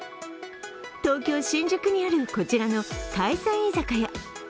東京・新宿にあるこちらの海鮮居酒屋。